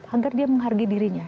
agar dia menghargai dirinya